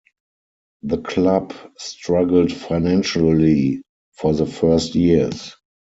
The club struggled financially for the first years.